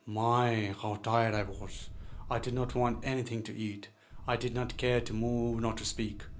My, how tired I was! I did not want anything to eat. I did not care to move, nor to speak.